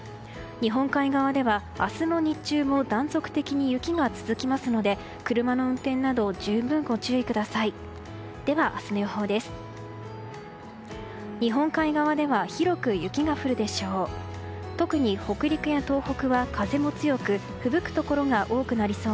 日本海側では明日の日中も断続的に雪が続きますので、車の運転など十分ご注意ください。